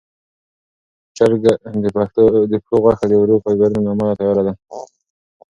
چرګ د پښو غوښه د ورو فایبرونو له امله تیاره ده.